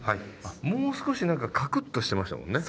もう少し何かカクッとしてましたもんね。